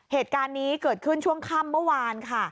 เหตุการณ์นี้เกิดขึ้นช่วงค่ำเมื่อวานค่ะ